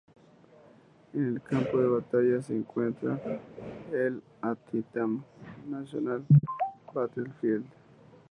En el campo de batalla se encuentra el Antietam National Battlefield.